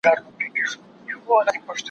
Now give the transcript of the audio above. د کښتۍ آرام سفر سو ناکراره